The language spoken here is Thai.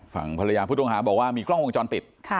ฝั่งภรรยาผู้ต้องหาบอกว่ามีกล้องวงจรปิด